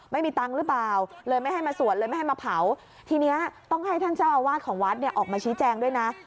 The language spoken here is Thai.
ไม่มีตังค์หรือเปล่าเลยไม่ให้มาสวดเลยไม่ให้มาเผาทีนี้ต้องให้ท่านเจ้าอาวาสของวัดเนี่ยออกมาชี้แจงด้วยนะ